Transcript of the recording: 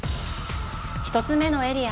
１つ目のエリア。